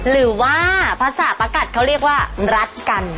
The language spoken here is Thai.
หรือว่าภาษาประกัดเขาเรียกว่ารัดกัน